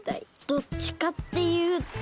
どっちかっていうと変人。